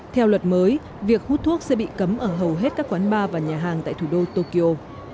theo luật mới việc hút thuốc sẽ bị cấm ở hầu hết các quán bar và nhà hàng tại thủ đô tokyo